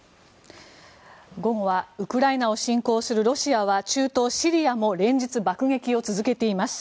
午後はウクライナを侵攻するロシアは中東シリアも連日爆撃を続けています。